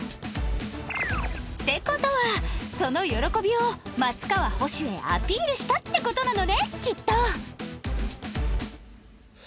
って事はその喜びを松川捕手へアピールしたって事なのねきっと